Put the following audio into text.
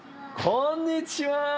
こんにちは。